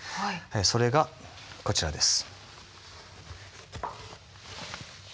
それがこちらです。